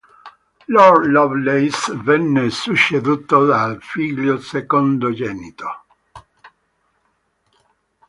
Lord Lovelace venne succeduto dal figlio secondogenito.